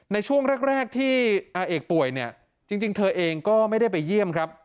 ในช่วงแรกที่อาเอกป่วยเนี่ยจริงเธอเองก็ไม่ได้ไปเยี่ยมครับ